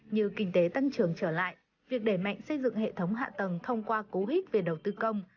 như kinh tế tăng trưởng trở lại việc đẩy mạnh xây dựng hệ thống hạ tầng thông qua cố hích về đầu tư công